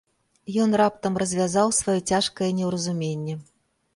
Ён раптам развязаў сваё цяжкае неўразуменне.